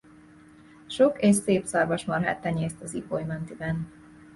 Sok és szép szarvasmarhát tenyészt az Ipoly mentiben.